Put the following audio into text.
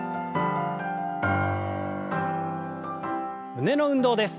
胸の運動です。